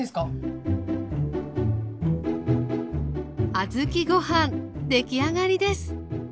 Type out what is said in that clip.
小豆ご飯出来上がりです。